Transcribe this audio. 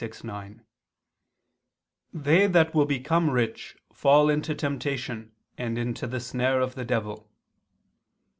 6:9, "They that will become rich, fall into temptation and into the snare of the devil."